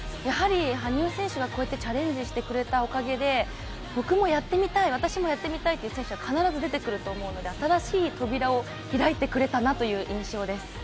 やはり羽生選手がこうやってチャレンジしてくださったおかげで、僕も私もやってみたいという選手が必ず出てくるので、新しい扉を開いてくれたなという印象です。